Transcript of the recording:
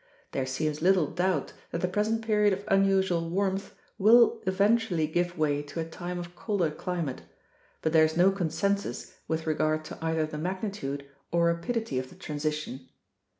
There seems little doubt that the present period of unusual warmth will eventually give way to a time of colder climate, but there is no consensus with regard to either the magnitude or rapidity of the transition.